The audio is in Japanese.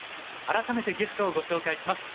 改めてゲストをご紹介します。